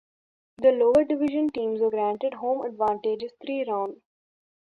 The lower division teams were granted home advantage three rounds.